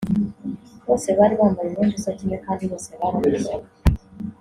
bose bari bambaye umwenda usa kimwe kandi bose barareshyaga